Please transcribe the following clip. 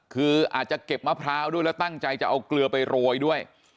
คืออาจจะเก็บมะพร้าวด้วยแล้วตั้งใจจะเอาเกลือไปโรยด้วย